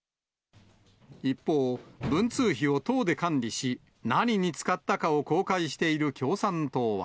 一方、文通費を党で管理し、何に使ったかを公開している共産党は。